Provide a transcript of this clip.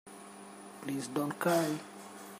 Please don't cry.